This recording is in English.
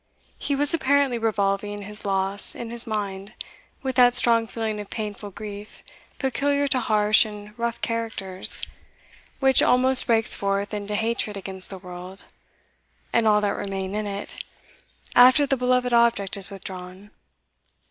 He was apparently revolving his loss in his mind, with that strong feeling of painful grief peculiar to harsh and rough characters, which almost breaks forth into hatred against the world, and all that remain in it, after the beloved object is withdrawn.